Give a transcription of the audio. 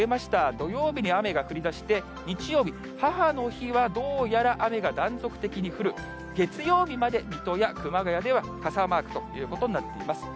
土曜日に雨が降りだして、日曜日、母の日は、どうやら雨が断続的に降る、月曜日まで水戸や熊谷では傘マークということになっています。